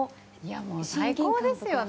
最高ですよね。